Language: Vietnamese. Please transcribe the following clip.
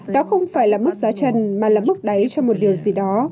đó không phải là mức giá trần mà là mức đáy cho một điều gì đó